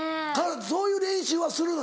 そういう練習はするの？